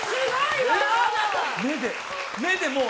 目で、もう。